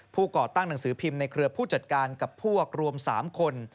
ก่อตั้งหนังสือพิมพ์ในเครือผู้จัดการกับพวกรวม๓คน